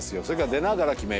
出ながら決めよう。